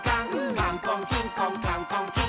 「カンコンキンコンカンコンキン！」